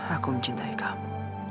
aku mencintai kamu